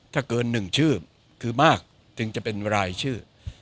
ถ้าเกิน๑ชื่อคือมากถึงจะเป็นรายชื่อ